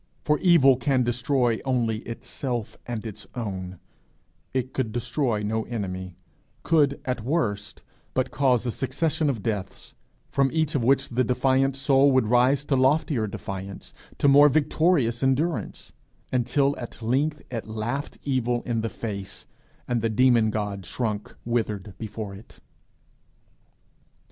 For Evil can destroy only itself and its own; it could destroy no enemy could at worst but cause a succession of deaths, from each of which the defiant soul would rise to loftier defiance, to more victorious endurance until at length it laughed Evil in the face, and the demon god shrunk withered before it.